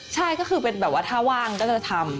ใช่ก็คือเป็นแบบว่าถ้าว่างก็จะทำ